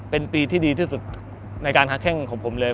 เป็นปีที่ดีที่สุดในการหาแข้งของผมเลย